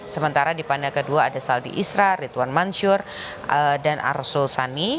sementara di panel kedua ada saldi isra ridwan mansur dan arsul sani